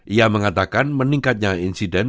ia mengatakan meningkatnya insiden